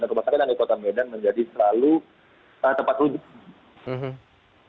dan rumah sakit di kota medan menjadi selalu tempat rujukan